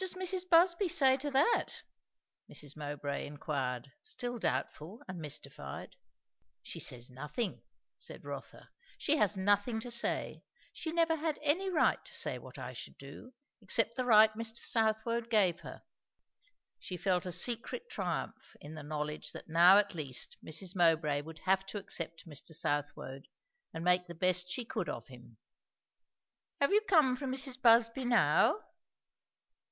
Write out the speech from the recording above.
"What does Mrs. Busby say to that?" Mrs. Mowbray inquired, still doubtful and mystified. "She says nothing," said Rotha. "She has nothing to say. She never had any right to say what I should do, except the right Mr. Southwode gave her." She felt a secret triumph in the knowledge that now at least Mrs. Mowbray would have to accept Mr. Southwode and make the best she could of him. "Have you come from Mrs. Busby now?"